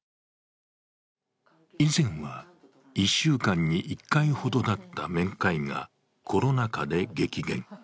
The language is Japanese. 以前は１週間に１回ほどだった面会がコロナ禍で激減。